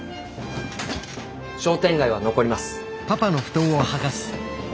商店街は残ります。